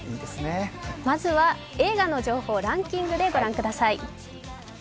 まずは、映画の情報をランキングで御覧ください。